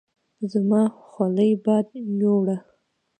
زما حولی باد ويوړه